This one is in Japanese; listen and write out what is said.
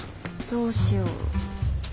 どうしようとは？